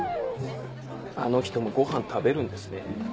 あの人もごはん食べるんですね。